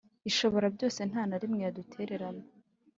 Ishoborabyose nta na rimwe yadutererana